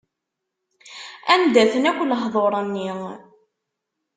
Anda-ten akk lehduṛ-nni.